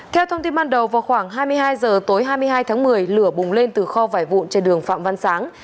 theo thông tin ban đầu vào khoảng hai mươi hai h tối hai mươi hai tháng một mươi lửa bùng lên từ kho vải vụn trên đường phạm văn sáng